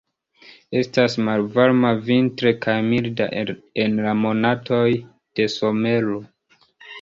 Estas malvarma vintre kaj milda en la monatoj de somero.